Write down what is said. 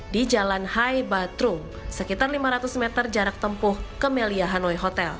di jalan hai ba trung sekitar lima ratus meter jarak tempuh ke melia hanoi hotel